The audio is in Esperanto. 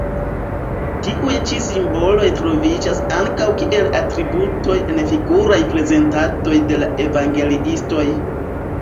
Tiuj ĉi simboloj troviĝas ankaŭ kiel atributoj en figuraj prezentadoj de la evangeliistoj.